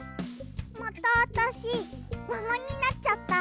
またあたしももになっちゃった。